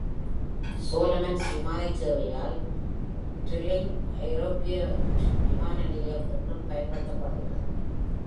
Solomon's விமானச் சேவையால் Stirling ஐரோப்பியல்ட் விமான நிலையம் இன்றும் பயன்படுத்தப்படுகின்றது.